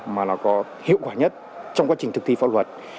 mà nó có hiệu quả nhất trong quá trình thực thi pháp luật